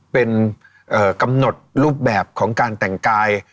เป็นกำหนดรูปแบบของการแต่งกาย